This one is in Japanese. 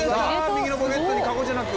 右のポケットにかごじゃなく。